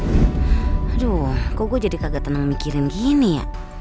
aduh kok gue jadi kagetan memikirin gini ya